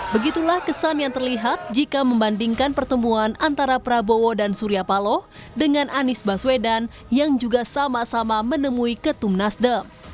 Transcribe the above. begitulah kesan yang terlihat jika membandingkan pertemuan antara prabowo dan surya paloh dengan anies baswedan yang juga sama sama menemui ketum nasdem